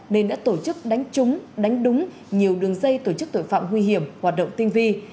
nên đã tổ chức đánh trúng đánh đúng nhiều đường dây tổ chức tội phạm nguy hiểm hoạt động tinh vi